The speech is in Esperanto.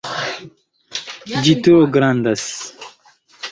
Ĝi tro grandas.